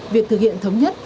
việc thực hiện thống nhất